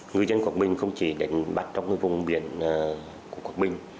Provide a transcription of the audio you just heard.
ngư dân quảng bình không chỉ đánh bắt trong vùng biển của quảng bình